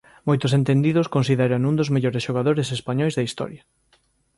Moitos entendidos considérano un dos mellores xogadores españois da historia.